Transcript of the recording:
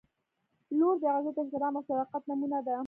• لور د عزت، احترام او صداقت نمونه ده.